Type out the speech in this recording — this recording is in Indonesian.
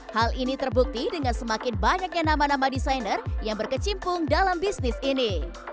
hal ini terbukti dengan semakin banyaknya nama nama desainer yang berkecimpung dalam bisnis ini